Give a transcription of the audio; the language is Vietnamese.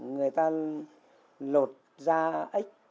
người ta lột da ích